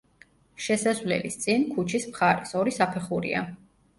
შესასვლელის წინ, ქუჩის მხარეს, ორი საფეხურია.